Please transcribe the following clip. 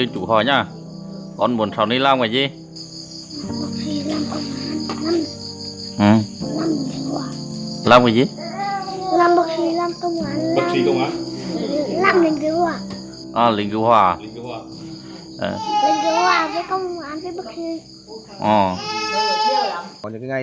chú hỏi nha con muốn làm cái gì